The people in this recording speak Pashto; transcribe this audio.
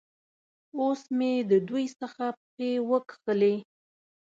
اوس مې د دوی څخه پښې وکښلې.